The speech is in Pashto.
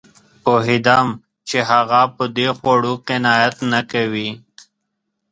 پوهېدم چې هغه په دې خوړو قناعت نه کوي